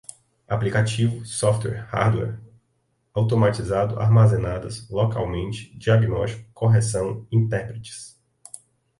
aplicativo, software, hardware, automatizado, armazenadas, localmente, diagnóstico, correção, intérpretes